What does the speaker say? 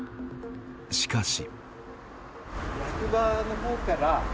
しかし。